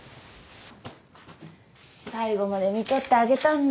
最後までみとってあげたんだ。